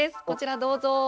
こちらどうぞ。